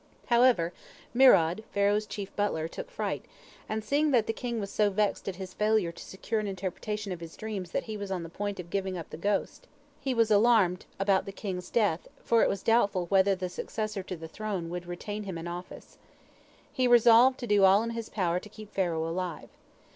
However, Mirod, Pharaoh's chief butler, took fright, seeing that the king was so vexed at his failure to secure an interpretation of his dreams that he was on the point of giving up the ghost. He was alarmed about the king's death, for it was doubtful whether the successor to the throne would retain him in office. He resolved to do all in his power to keep Pharaoh alive.